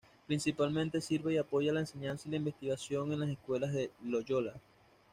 Principalmente sirve y apoya la enseñanza y la investigación en las Escuelas de Loyola.